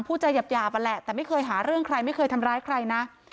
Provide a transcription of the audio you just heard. ผู้ใจหยับหยาปะแหละแต่ไม่เคยหาเรื่องใคร